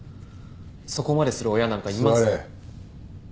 そこまでする親なんかいま。